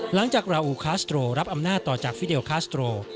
ราอูคาสโตรรับอำนาจต่อจากฟิเดลคาสโตร